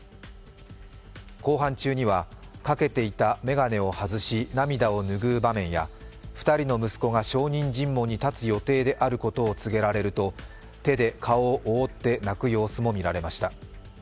公判中には、かけていた眼鏡を外し、涙をぬぐう場面や２人の息子が証人尋問に立つ予定であることを告げられると手で顔を覆って泣く様子も見られました。